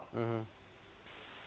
kita bisa melihat beberapa hal